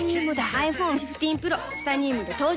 ｉＰｈｏｎｅ１５Ｐｒｏ チタニウムで登場